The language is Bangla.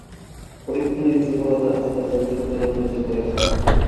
পরীক্ষণেই যুবরাজের হাতের ঝকঝকে তলোয়ার মেঝেয় পড়ে গেল।